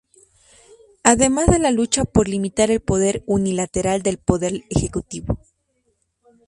Además de la lucha por limitar el poder unilateral del poder ejecutivo.